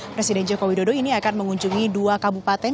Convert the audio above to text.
presiden joko widodo ini akan mengunjungi dua kabupaten